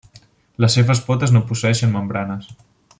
Les seves potes no posseeixen membranes.